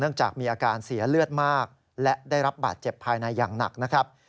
จากมีอาการเสียเลือดมากและได้รับบาดเจ็บภายในอย่างหนักนะครับ